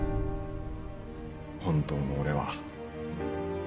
本当の俺は。